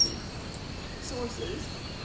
Sources: 1.